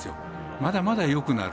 まだまだよくなる。